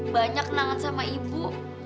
banyak kenangan sama ibu